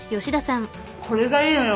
これがいいのよ